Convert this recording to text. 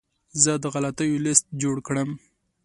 زه د غلطیو لیست جوړ کړم.